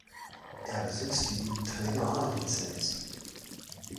Er besitzt die Trainer-A-Lizenz.